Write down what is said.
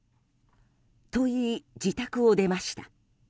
と言い自宅を出ました。